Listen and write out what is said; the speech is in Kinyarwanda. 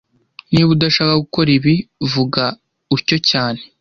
Niba udashaka gukora ibi, vuga utyo cyane